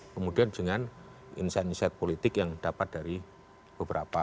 kemudian dengan insight insight politik yang dapat dari beberapa